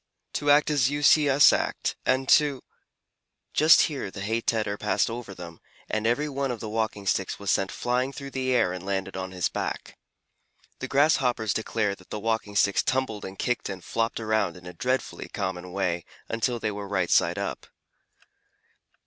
To act as you see us act, and to " Just here the hay tedder passed over them, and every one of the Walking Sticks was sent flying through the air and landed on his back. The Grasshoppers declare that the Walking Sticks tumbled and kicked and flopped around in a dreadfully common way until they were right side up.